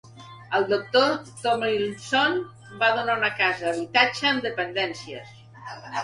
El doctor Thomlinson va donar una casa habitatge amb dependències.